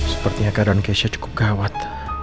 sepertinya keadaan keisha cukup gawat